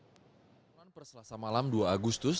pada bulan perselasa malam dua agustus